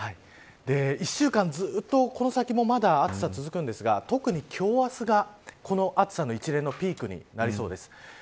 １週間ずっとこの先もまだ暑さ続くんですが特に今日、明日がこの暑さの一連のピークになりそうです。